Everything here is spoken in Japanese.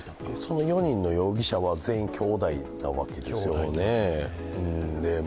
その４人の容疑者は全員きょうだいなわけですよね。